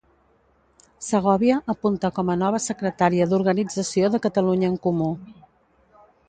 Segòvia apunta com a nova secretària d'organització de Catalunya en Comú